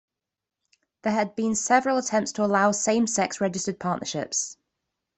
There had been several attempts to allow same-sex registered partnerships.